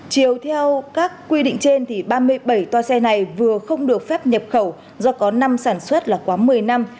chiều theo các quy định trên thì ba mươi bảy toa xe này vừa không được phép nhập khẩu do có năm sản xuất là quá một mươi năm